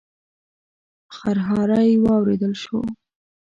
خرهاری واورېدل شو.